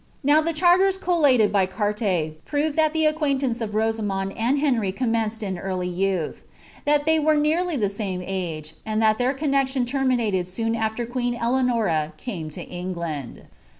Now the charters collaieil hf Carle, prove thai the acquainloncc of Itneamond and Henry comnicnMtl in early youlh; that ihey were nearly of the same age, and tint deir connexion tentiiiiated soon after queen Eleanora came lo Eiii^land.